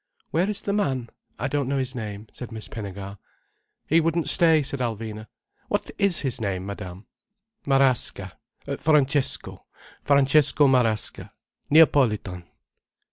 "Where is the man? I don't know his name," said Miss Pinnegar. "He wouldn't stay," said Alvina. "What is his name, Madame?" "Marasca—Francesco. Francesco Marasca—Neapolitan."